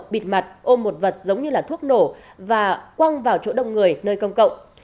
bịt mặt ôm một vật giống như là thuốc nổ và quăng vào chỗ đông người nơi công cộng